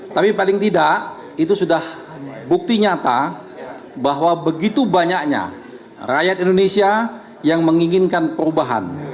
tapi paling tidak itu sudah bukti nyata bahwa begitu banyaknya rakyat indonesia yang menginginkan perubahan